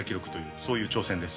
そういう挑戦です。